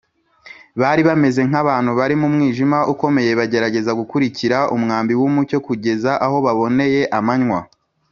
Bari bameze nk’abantu bari mu mwijima ukomeye bagerageza gukurikira umwambi w’umucyo kugeza aho baboneye amanywa